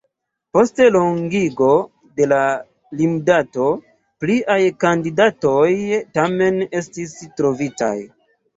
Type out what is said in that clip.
Post longigo de la limdato pliaj kandidatoj tamen estis trovitaj.